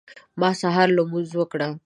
ما سهار لمونځ وکړ.